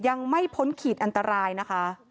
ยังไม่พ้นขีดอันตรายนะคะ